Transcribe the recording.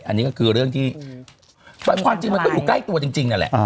อันนี้ก็คือเรื่องที่ความจริงมันก็อยู่ใกล้ตัวจริงนั่นแหละ